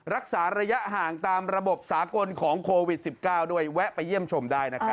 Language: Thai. รักษาระยะห่างตามระบบสากลของโควิด๑๙ด้วยแวะไปเยี่ยมชมได้นะครับ